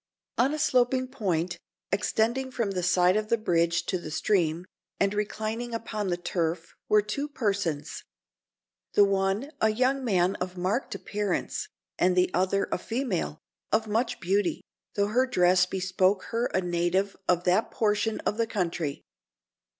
On a sloping point, extending from the side of the bridge to the stream, and reclining upon the turf, were two persons. The one a young man of marked appearance, and the other a female of much beauty, although her dress bespoke her a native of that portion of the country.